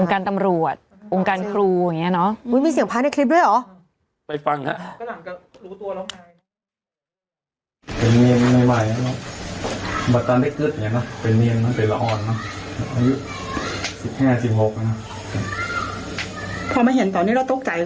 องค์การตำรวจองค์การครูอ่ะนี้เนอะอืมมีเสียงพันธุ์ในคลิปด้วยหรอ